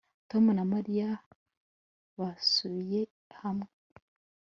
tom na mariya basubiye hamwe